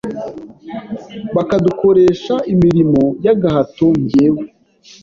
bakadukoresh imirimo y’gahato njyewe